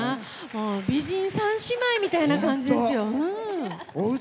美人３姉妹みたいな感じですよ。